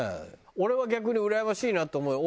俺は逆にうらやましいなと思うよ。